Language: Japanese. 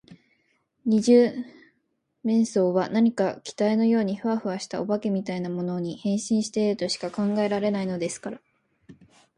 二十面相は何か気体のようにフワフワした、お化けみたいなものに、変身しているとしか考えられないのですから。